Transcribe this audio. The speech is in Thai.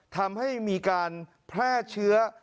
ทำให้มีการแพร่เชื้อ